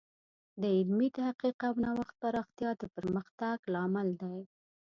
د علمي تحقیق او نوښت پراختیا د پرمختګ لامل دی.